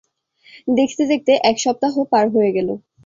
দেখতে- দেখতে এক সপ্তাহ পার হয়ে গেল।